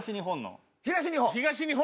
東日本。